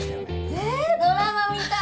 えドラマみたい！